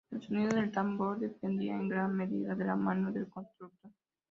El sonido del tambor depende, en gran medida, de la mano del constructor.